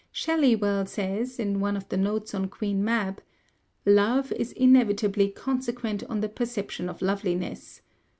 Shelley well says, in one of the notes on Queen Mab: "Love is inevitably consequent on the perception of loveliness.